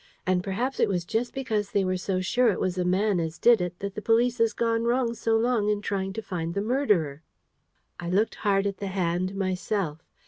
And perhaps it was just because they were so sure it was a man as did it, that the police has gone wrong so long in trying to find the murderer." I looked hard at the hand myself.